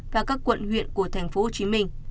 và các quận huyện của thành phố hồ chí minh